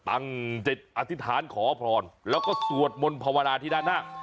จิตอธิษฐานขอพรแล้วก็สวดมนต์ภาวนาที่ด้านหน้า